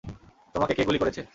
তোমাকে কে গুলি করেছে?